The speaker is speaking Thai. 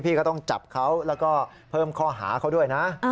ก็ต้องจับเขาแล้วก็เพิ่มข้อหาเขาด้วยนะ